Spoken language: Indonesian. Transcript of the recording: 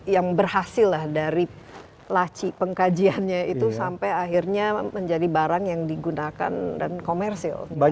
yang berhasil lah dari laci pengkajiannya itu sampai akhirnya menjadi barang yang digunakan dan komersil